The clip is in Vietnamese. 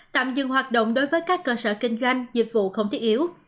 tạm dừng hoạt động đối với các cơ sở kinh doanh dịch vụ không thiết yếu